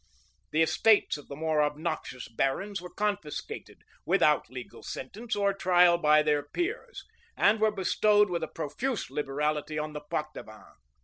[*] The estates of the more obnoxious barons were confiscated, without legal sentence or trial by their peers; [] and were bestowed with a profuse liberality on the Poictevins.